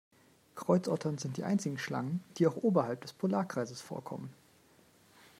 Kreuzottern sind die einzigen Schlangen, die auch oberhalb des Polarkreises vorkommen.